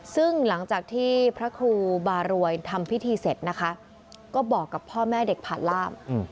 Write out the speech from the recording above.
ซึ่งหลังจากที่พระครูบารวยทำพิธีเสร็จนะคะก็บอกกับพ่อแม่เด็กผ่านล่าม